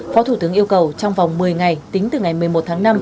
phó thủ tướng yêu cầu trong vòng một mươi ngày tính từ ngày một mươi một tháng năm